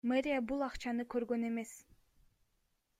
Мэрия бул акчаны көргөн эмес.